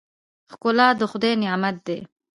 ښکلا د خدای نعمت دی.